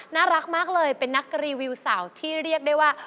น่ารักมากเลยเป็นนักรีวิวสาวที่เรียกได้ว่า